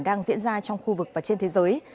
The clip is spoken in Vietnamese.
đang diễn ra trong khu vực và trên thế giới